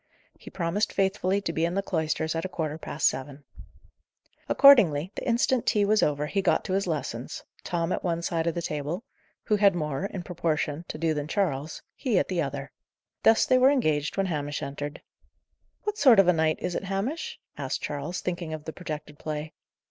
He promised faithfully to be in the cloisters at a quarter past seven. Accordingly, the instant tea was over, he got to his lessons; Tom at one side of the table who had more, in proportion, to do than Charles he at the other. Thus were they engaged when Hamish entered. "What sort of a night is it, Hamish?" asked Charles, thinking of the projected play.